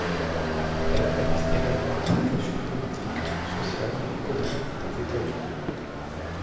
Elle analyse également la situation politique, sociale et économique des États-Unis.